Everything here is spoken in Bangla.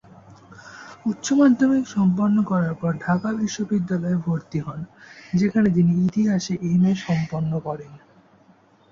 উচ্চ মাধ্যমিক সম্পন্ন করার পর ঢাকা বিশ্ববিদ্যালয়ে ভর্তি হন, যেখানে তিনি ইতিহাসে এমএ সম্পন্ন করেন।